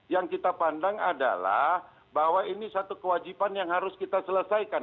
yang kita pandang adalah bahwa ini satu kewajiban yang harus kita selesaikan